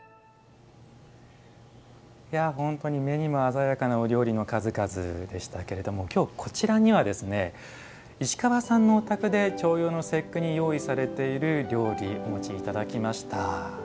本当に目にも鮮やかなお料理の数々でしたが今日こちらには石川さんのお宅で重陽の節句に用意されている料理お持ちいただきました。